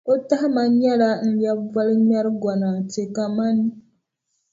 N tahima nyɛla n lɛbi bolŋmɛrʼ gonaate kamani.